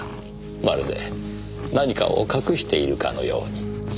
まるで何かを隠しているかのように。